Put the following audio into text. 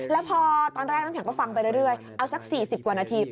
แล้วพอตอนแรกน้ำแข็งก็ฟังไปเรื่อยเอาสัก๔๐กว่านาที